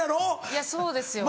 いやそうですよ。